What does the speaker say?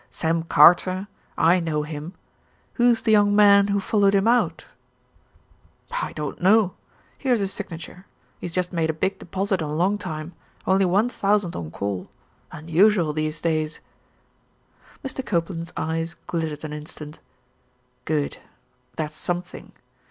Sam Carter I know him. Who's the young man who followed him out?" "I don't know. Here's his signature. He's just made a big deposit on long time only one thousand on call. Unusual these days." Mr. Copeland's eyes glittered an instant. "Good. That's something.